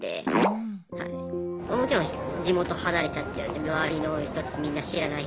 もちろん地元離れちゃってるんで周りの人たちみんな知らない人。